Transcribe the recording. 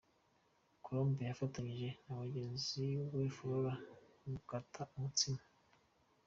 Colombe yafatanyije na mugenzi we Flora gukata umutsima.